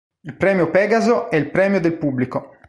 Il Premio Pegaso è il premio del pubblico.